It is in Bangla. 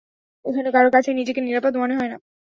এখানে কারো কাছেই নিজেকে নিরাপদ মনে হয় না!